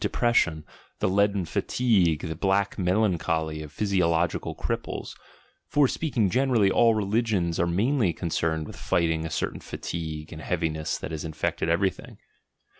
ASCETIC IDEALS 139 pression, the leaden fatigue, the black melancholy of physiological cripples — for, speaking generally, all relig ions are mainly concerned with fighting a certain fatigue and heaviness that has infected everything.